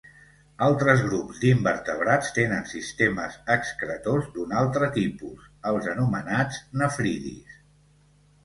Altres grups d’invertebrats tenen sistemes excretors d’un altre tipus, els anomenats nefridis.